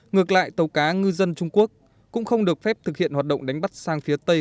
ngược lại tàu cá ngư dân trung quốc cũng không được phép thực hiện hoạt động đánh bắt sang phía tây